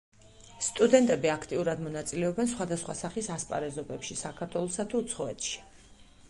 სტუდენტები აქტიურად მონაწილეობენ სხვადასხვა სახის ასპარეზობებში საქართველოსა თუ უცხოეთში.